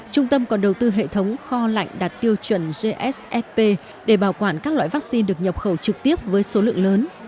trung tâm còn đầu tư hệ thống kho lạnh đạt tiêu chuẩn gsfp để bảo quản các loại vaccine được nhập khẩu trực tiếp với số lượng lớn